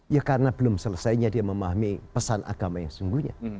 ya karena belum selesainya dia memahami pesan agama yang sesungguhnya